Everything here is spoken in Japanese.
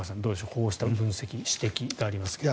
こうした分析・指摘がありますが。